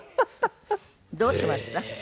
どうしました？